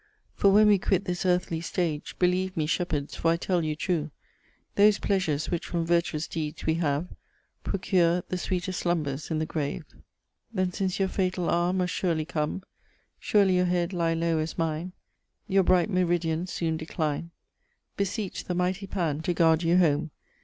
For when we quit this earthly stage, Beleeve me, shepheards, for I tell you true, Those pleasures which from vertuous deeds we have Procure the sweetest slumbers in the grave. 3 'Then since your fatall houre must surely come, Surely your head ly low as mine, Your bright meridian soon decline, Beseech the mighty PAN to guard you home.